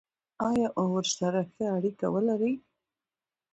آیا او ورسره ښه اړیکه ولري؟